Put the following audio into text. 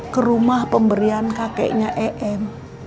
ke rumah pemberian kakeknya em